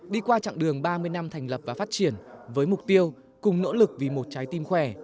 đi qua chặng đường ba mươi năm thành lập và phát triển với mục tiêu cùng nỗ lực vì một trái tim khỏe